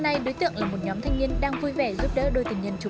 bất ngờ một người đàn ông đã dừng xe và quyết định sản thiệu